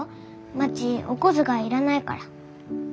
まちお小遣いいらないから。